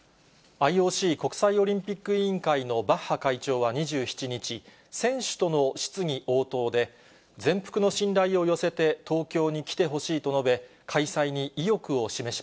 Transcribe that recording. ＩＯＣ・国際オリンピック委員会のバッハ会長は２７日、選手との質疑応答で、全幅の信頼を寄せて、東京に来てほしいと述べ、開催に意欲を示し